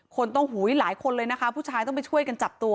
คนต้องหูยหลายคนเลยนะคะผู้ชายต้องไปช่วยกันจับตัว